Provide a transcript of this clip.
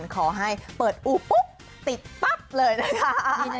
ขอให้เปิดอู่ปุ๊บติดปั๊บเลยนะคะ